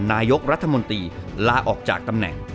นายกรัฐมนตรีลาออกจากตำแหน่ง